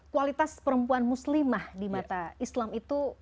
kualitas perempuan muslimah di mata islam itu